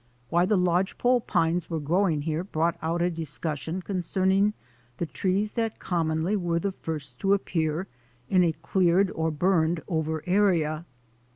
Why the lodgepole pines were growing here brought out a discussion con cerning the trees that commonly were the first to appear in a cleared or burned over area.